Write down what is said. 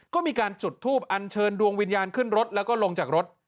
ก็มีการจุดทูปอันเชิญดวงวิญญาณขึ้นรถแล้วก็ลงจากรถ